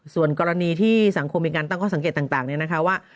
ส่วนกรณีที่สังคมมีการตั้งข้อสังเกตต่างเนี่ยนะคะว่า